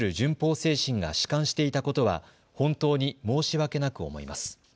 精神がしかんしていたことは本当に申し訳なく思います。